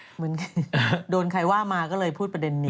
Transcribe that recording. เหมือนกันโดนใครว่ามาก็เลยพูดประเด็นนี้